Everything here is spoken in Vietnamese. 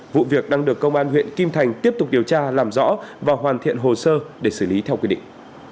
vụ việc đang được công an huyện kim thành tiếp tục điều tra làm rõ và hoàn thiện hồ sơ để xử lý theo quy định